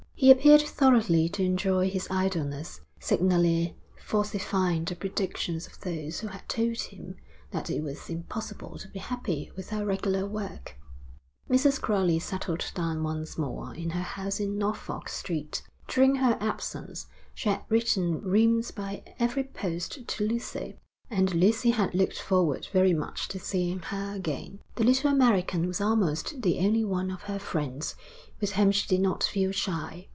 He appeared thoroughly to enjoy his idleness, signally falsifying the predictions of those who had told him that it was impossible to be happy without regular work. Mrs. Crowley settled down once more in her house in Norfolk Street. During her absence she had written reams by every post to Lucy, and Lucy had looked forward very much to seeing her again. The little American was almost the only one of her friends with whom she did not feel shy.